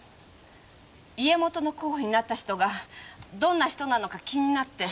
家元の候補になった人がどんな人なのか気になって。